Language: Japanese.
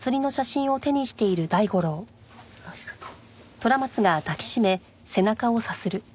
ありがとう。